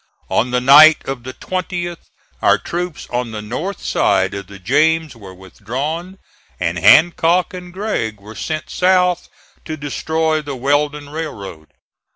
On the night of the 20th our troops on the north side of the James were withdrawn, and Hancock and Gregg were sent south to destroy the Weldon Railroad.